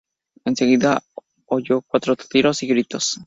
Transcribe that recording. Enseguida oyó cuatro tiros y gritos.